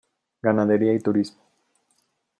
Ganadería y turismo.